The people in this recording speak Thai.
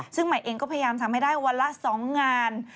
ซึ่งใหม่เองก็พยายามทำให้ได้วันละ๒งาน